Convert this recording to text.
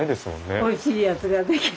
おいしいやつができる。